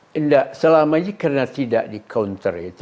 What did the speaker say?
tidak selama ini karena tidak di counter itu